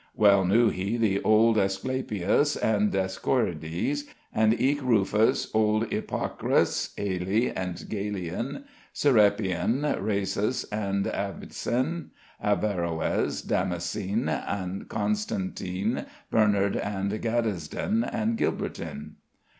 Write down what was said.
"Wel knew he the olde Esculapius, And Deiscorides, and eeke Rufus, Old Ypocras, Haly and Galien; Serapyon, Razis and Avycen; Averrois, Damascen and Constantyn, Bernard and Gatisden, and Gilbertyn."